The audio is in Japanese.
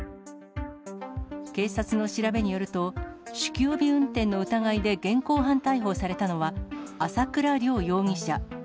警察の調べによると、酒気帯び運転の疑いで現行犯逮捕されたのは、朝倉亮容疑者。